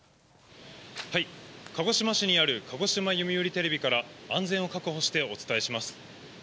はい、鹿児島市にある鹿児島読売テレビから安全を確保してお伝えします。